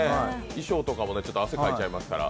衣装とかも汗かいちゃいますから。